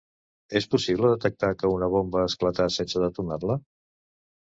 És possible detectar que una bomba esclatarà sense detonar-la?